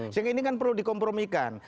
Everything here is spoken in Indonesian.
sehingga ini kan perlu dikompromikan